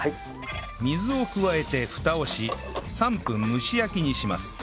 水を加えて蓋をし３分蒸し焼きにします